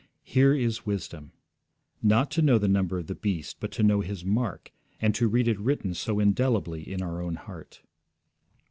'Here is wisdom': not to know the number of the beast, but to know his mark, and to read it written so indelibly in our own heart.